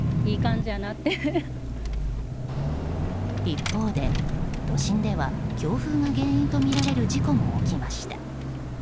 一方で都心では強風が原因とみられる事故も起きました。